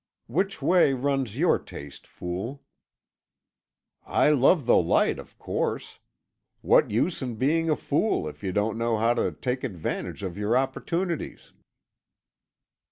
Which way runs your taste, fool?" "I love the light, of course. What use in being a fool if you don't know how to take advantage of your opportunities?"